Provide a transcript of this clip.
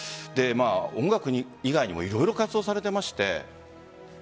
音楽以外にも色々活動されていまして。